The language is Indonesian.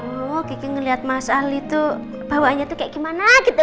aduh kike ngeliat mas ali tuh bawaannya tuh kayak gimana gitu